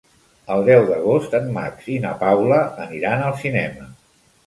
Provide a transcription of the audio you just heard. El deu d'agost en Max i na Paula aniran al cinema.